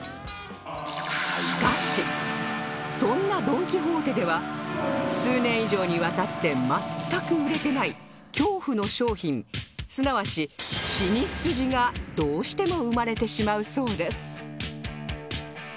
しかしそんなドン・キホーテでは数年以上にわたって全く売れてない恐怖の商品すなわちシニスジがどうしても生まれてしまうそうです